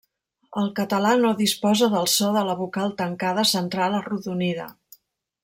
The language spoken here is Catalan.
El català no disposa del so de la vocal tancada central arrodonida.